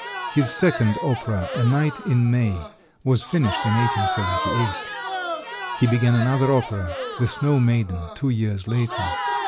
His second opera, "A Night in May," was finished in 1878. He began another opera, "The Snow Maiden," two years later.